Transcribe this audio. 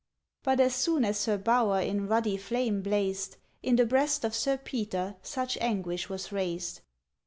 But as soon as her bower in ruddy flame blazed In the breast of Sir Peter such anguish was raised.